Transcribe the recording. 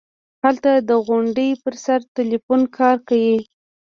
هلته د غونډۍ پر سر ټېلفون کار کيي.